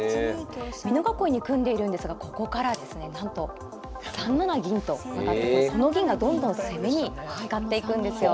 美濃囲いに組んでいるんですがここからですねなんと３七銀と上がってその銀がどんどん攻めに使っていくんですよ。